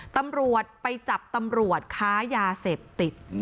ตำรวจไปจับตำรวจค้ายาเสพติด